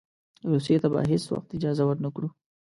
روسیې ته به هېڅ وخت اجازه ورنه کړو.